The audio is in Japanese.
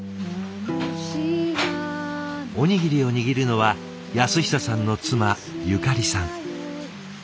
おにぎりを握るのは安久さんの妻ゆかりさん。